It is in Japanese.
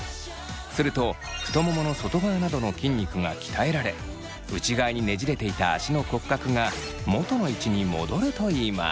すると太ももの外側などの筋肉が鍛えられ内側にねじれていた足の骨格が元の位置に戻るといいます。